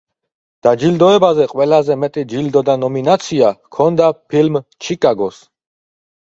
დაჯილდოებაზე ყველაზე მეტი ჯილდო და ნომინაცია ჰქონდა ფილმ „ჩიკაგოს“.